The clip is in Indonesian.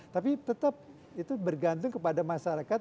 tapi tetap itu bergantung kepada masyarakat